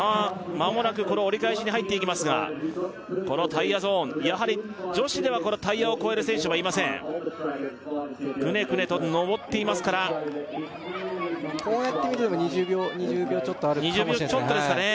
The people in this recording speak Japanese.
まもなくこの折り返しに入っていきますがこのタイヤゾーンやはり女子ではこのタイヤを越える選手はいませんクネクネと上っていますからこうやって見ると２０秒２０秒ちょっとあるかも２０秒ちょっとですかね